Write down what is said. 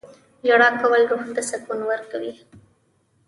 • ژړا کول روح ته سکون ورکوي.